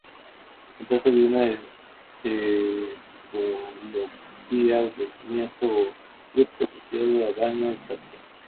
Se trata de una encefalopatía de comienzo abrupto asociado a daño hepático.